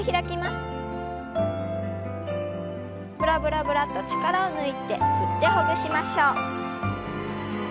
ブラブラブラッと力を抜いて振ってほぐしましょう。